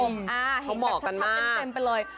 นั่งไปกันค่ะเล่นมาเค้าเห็นกันซับชัดเป็นเพิ่มเป็นเลย